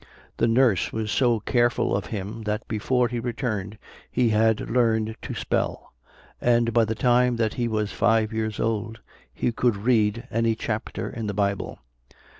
The nurse was so careful of him that before he returned he had learned to spell; and by the time that he was five years old, he could read any chapter in the Bible.